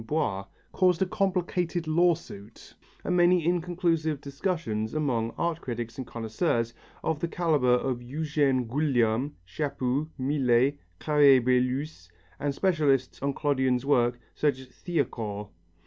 Boiss caused a complicated lawsuit and many inconclusive discussions among art critics and connoisseurs of the calibre of Eugène Guillaume, Chapu, Millet, Carrier Belleuse, and specialists on Clodion's work such as Thiacourt.